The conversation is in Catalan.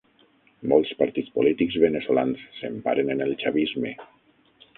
Molts partits polítics veneçolans s'emparen en el chavisme.